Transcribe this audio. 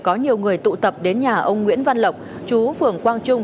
có nhiều người tụ tập đến nhà ông nguyễn văn lộc chú phường quang trung